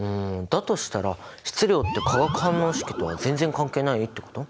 だとしたら質量って化学反応式とは全然関係ないってこと？